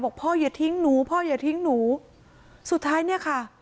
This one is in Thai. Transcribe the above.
พ่ออย่าทิ้งหนูพ่ออย่าทิ้งหนูสุดท้ายเนี่ยค่ะ